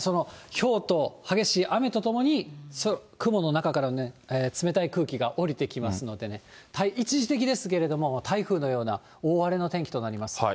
ひょうと激しい雨とともに雲の中から冷たい空気が下りてきますのでね、一時的ですけれども、台風のような大荒れの天気となります。